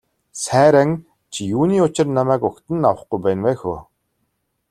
Сайран чи юуны учир намайг угтан авахгүй байна вэ хө.